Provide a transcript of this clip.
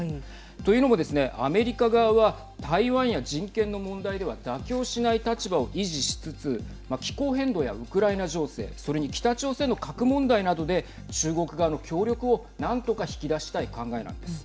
というのもですね、アメリカ側は台湾や人権の問題では妥協しない立場を維持しつつ気候変動やウクライナ情勢それに北朝鮮の核問題などで中国側の協力を何とか引き出したい考えなんです。